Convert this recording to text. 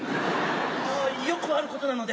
ああよくあることなので。